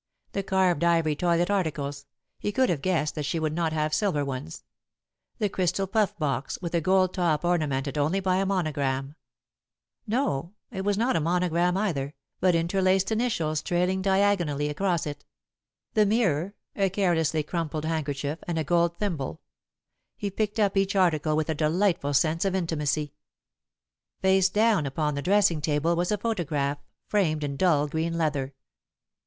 The carved ivory toilet articles he could have guessed that she would not have silver ones, the crystal puff box, with a gold top ornamented only by a monogram; no, it was not a monogram either, but interlaced initials trailing diagonally across it; the mirror, a carelessly crumpled handkerchief, and a gold thimble he picked up each article with a delightful sense of intimacy. [Sidenote: A Man's Face] Face down upon the dressing table was a photograph, framed in dull green leather.